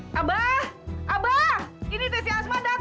eh abah abah ini teh si asma datang